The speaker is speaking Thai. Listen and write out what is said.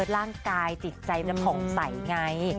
ร่างกายจิตใจมันผ่องใสไง